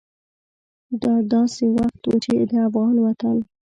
دا داسې وخت و چې د افغان وطن